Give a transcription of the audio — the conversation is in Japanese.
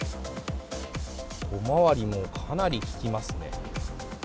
小回りもかなりききますね。